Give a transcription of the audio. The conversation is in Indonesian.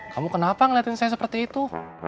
kamu kenapa ngeliatin saya seperti itu